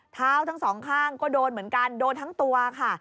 ทั้งสองข้างก็โดนเหมือนกันโดนทั้งตัวค่ะ